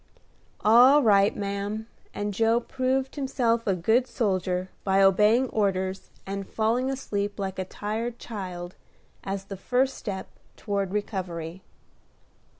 "All right, ma'am;" and Joe proved himself a good soldier by obeying orders, and falling asleep like a tired child, as the first step toward recovery.